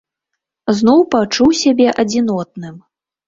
Зноў пачуў сябе адзінотным.